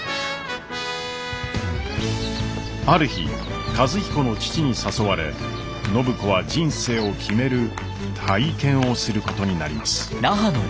ある日和彦の父に誘われ暢子は人生を決める体験をすることになります。